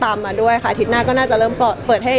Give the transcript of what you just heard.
แต่จริงแล้วเขาก็ไม่ได้กลิ่นกันว่าถ้าเราจะมีเพลงไทยก็ได้